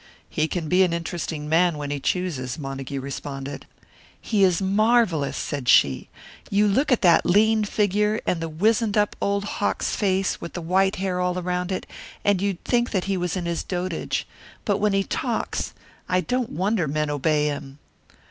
"He can be an interesting man when he chooses," Montague responded. "He is marvellous!" said she. "You look at that lean figure, and the wizened up old hawk's face, with the white hair all round it, and you'd think that he was in his dotage. But when he talks I don't wonder men obey him!"